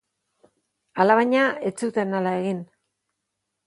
Alabaina, ez zuten hala egin.